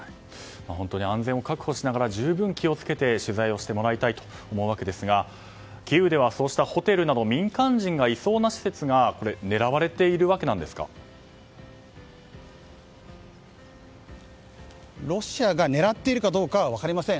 安全を確保しながら十分、注意して取材をしてもらいたいと思うわけですがキーウではそうしたホテルなど民間人がいそうな施設がロシアが狙っているかどうかは分かりません。